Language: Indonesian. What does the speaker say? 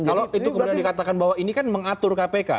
kalau itu kemudian dikatakan bahwa ini kan mengatur kpk